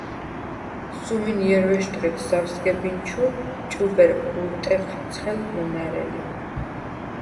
სუმინჲერვეშდ ღეთ ზავ სგებინჩუ ჭუბერ ულტეხვ ცხელ ლჷმა̈რელი.